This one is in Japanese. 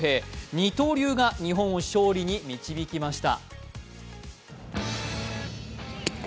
二刀流が日本を勝利に導きました。